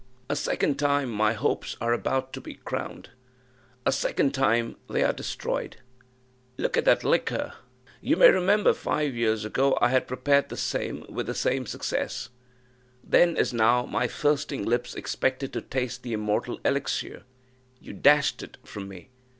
a second time my hopes are about to be crowned, a second time they are destroyed. Look at that liquor you may remember five years ago I had prepared the same, with the same success; then, as now, my thirsting lips expected to taste the immortal elixir you dashed it from me!